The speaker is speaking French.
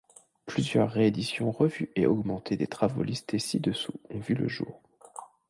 Plusieurs rééditions revues et augmentées des travaux listés ci-dessous ont vu le jour.